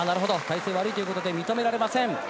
悪いということで認められません。